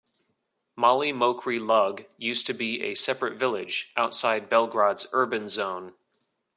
Mali Mokri Lug used to be a separate village, outside Belgrade's urban zone.